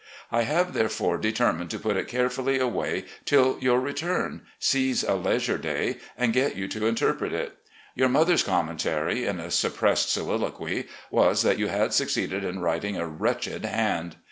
I have therefore determined to put it carefully away till your return, seize a leisure day, and get you to interpret it. Your mother's commentary, in a suppressed soliloquy, was that you had succeeded in writing a wretched hand.